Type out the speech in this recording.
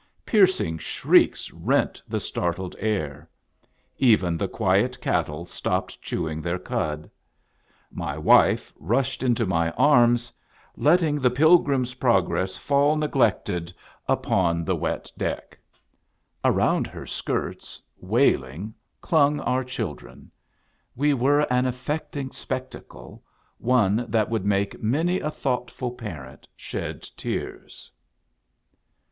Piercing shrieks rent the startled air. Even the quiet cattle stopped chew ing their cud. My wife rushed into my arms, let ting the Pilgrim's Progress fall neglected upon the THE NEW SWISS FAMILY ROBINSON. wet deck.* Around her skirts, wailing, clung our children. We were an affecting spectacle, — one that would make many a thoughtful parent shed tears.